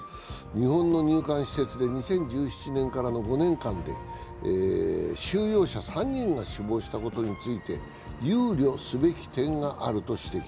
日本の入管施設で２０１７年からの５年間で収容者３人が死亡したことについて憂慮すべき点があると指摘。